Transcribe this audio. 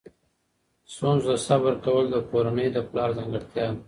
ستونزو ته صبر کول د کورنۍ د پلار ځانګړتیا ده.